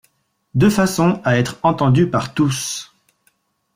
De façon à être entendu par tous.